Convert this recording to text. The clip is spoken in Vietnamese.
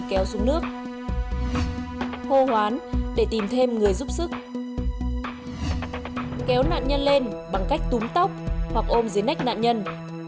kéo nạn nhân lên bằng cách túm tóc hoặc ôm dưới nách nạn nhân